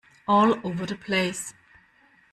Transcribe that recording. All over the place.